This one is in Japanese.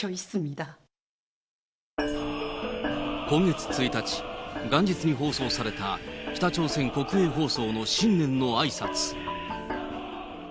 今月１日、元日に放送された北朝鮮国営放送の新年のあいさつ。